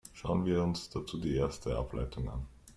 Schauen wir uns dazu die erste Ableitung an.